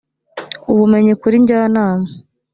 ubumenyi kuri njyanama